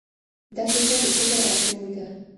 دا کیسه د فکر او شعور ده.